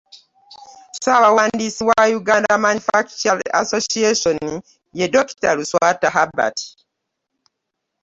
Ssaabawandiisi wa Uganda Manufacturers Association ye Dokita Luswata Herbert